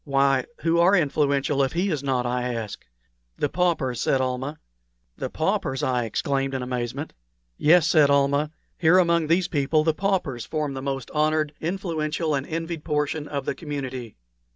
"Why, who are influential if he is not?" I asked. "The paupers," said Almah. "The paupers!" I exclaimed, in amazement. "Yes," said Almah. "Here among these people the paupers form the most honored, influential, and envied portion of the community."